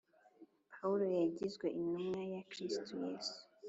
Pawulo wagizwe intumwa ya Kristo Yesu